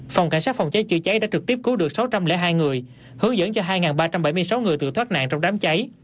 phòng cảnh sát phòng cháy chữa cháy đã trực tiếp cứu được sáu trăm linh hai người hướng dẫn cho hai ba trăm bảy mươi sáu người tự thoát nạn trong đám cháy